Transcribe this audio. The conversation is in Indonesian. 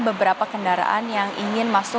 beberapa kendaraan yang ingin masuk